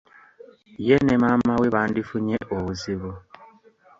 Ye ne maama we bandifunye obuzibu.